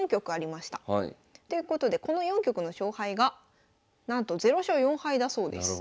ということでこの４局の勝敗がなんと０勝４敗だそうです。